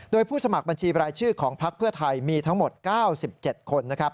โดยผู้สมัครบัญชีบรายชื่อของพักเพื่อไทยมีทั้งหมด๙๗คนนะครับ